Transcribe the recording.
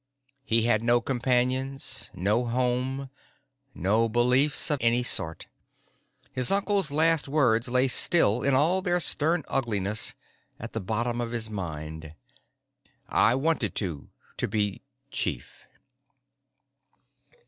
He had no companions, no home, no beliefs of any sort. His uncle's last words still lay, in all their stern ugliness, at the bottom of his mind. "_I wanted to to be chief.